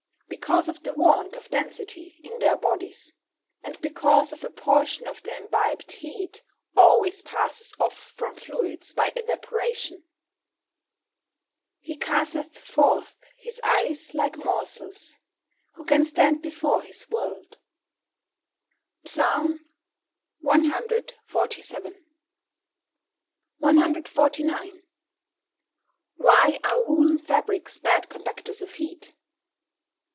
_ Because of the want of density in their bodies; and because a portion of the imbibed heat always passes off from fluids by evaporation. [Verse: "He casteth forth his ice like morsels: who can stand before his word," PSALM CXLVII.] 149. _Why are woollen fabrics bad conductors of heat?